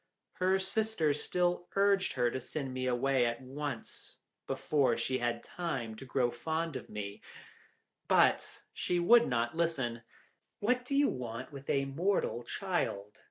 Her sisters still urged her to send me away at once, before she had time to grow fond of me, but she would not listen. "What do you want with a mortal child?"